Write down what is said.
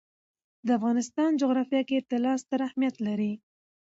د افغانستان جغرافیه کې طلا ستر اهمیت لري.